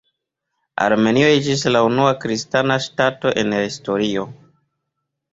Armenio iĝis la unua kristana ŝtato en la historio.